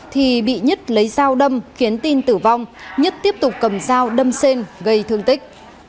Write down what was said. thì bị nhất lấy dao đâm khiến tin tử vong nhất tiếp tục cầm dao đâm xên gây thương tích